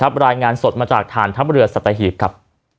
ครับรายงานสดมาจากทางทัพเรือสัตว์หิตครับ